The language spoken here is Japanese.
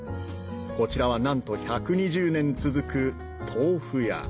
こちらはなんと１２０年続く豆腐屋